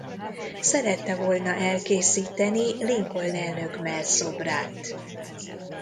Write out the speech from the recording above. Szerette volna elkészíteni Lincoln elnök mellszobrát.